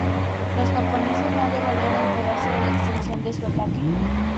Los japoneses no deberían enterarse de la extensión de su ataque.